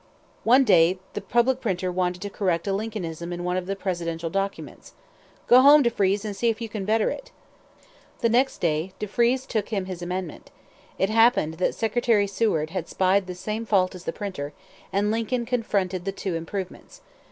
One day the public printer wanted to correct a Lincolnism in one of the presidential documents. "Go home, Defrees, and see if you can better it." The next day, Defrees took him his amendment. It happened that Secretary Seward had spied the same fault as the printer, and Lincoln confronted the two improvements.